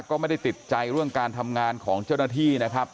ก็ไม่ได้ติดใจเรื่องการทำงานของเจ้าหน้าที่นะครับ